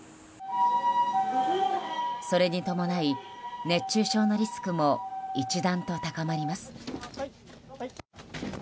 それに伴い、熱中症のリスクも一段と高まります。